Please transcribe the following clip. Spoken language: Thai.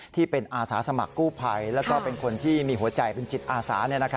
ที่เป็นอาสาสมัครกู้ภัยแล้วก็เป็นคนที่มีหัวใจเป็นจิตอาสา